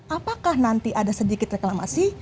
apakah nanti ada sedikit reklamasi